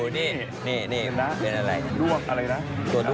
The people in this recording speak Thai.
สายเอ็ด